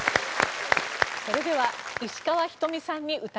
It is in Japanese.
それでは石川ひとみさんに歌って頂きます。